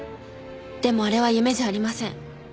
でもあれは夢じゃありません。